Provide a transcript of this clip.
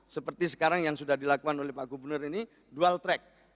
seperti sekarang yang sudah dilakukan oleh pak gubernur ini dual track